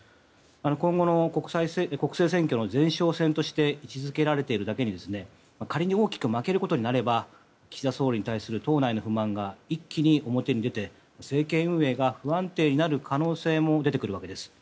今後の国政選挙の前哨戦として位置づけられているだけに仮に、大きく負けることになれば岸田総理に対する党内の不満が一気に表に出て政権運営が不安定になる可能性も出てくるわけです。